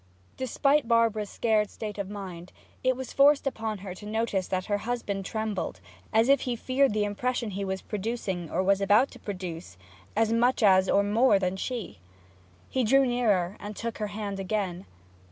Despite Barbara's scared state of mind, it was forced upon her notice that her husband trembled, as if he feared the impression he was producing, or was about to produce, as much as, or more than, she. He drew nearer, and took her hand again.